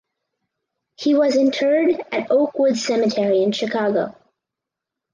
He was interred at Oak Woods Cemetery in Chicago.